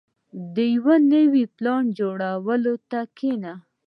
• د یو نوي پلان جوړولو ته کښېنه.